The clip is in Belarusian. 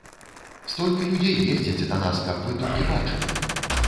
Столькі людзей ездзяць да нас, каб вы толькі бачылі.